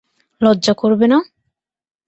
লজ্জা করবে না?